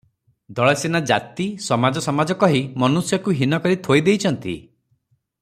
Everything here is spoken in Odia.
ଦଳେ ସିନା ଜାତି, ସମାଜ ସମାଜ, କହି ମନୁଷ୍ୟକୁ ହୀନ କରି ଥୋଇ ଦେଇଚନ୍ତି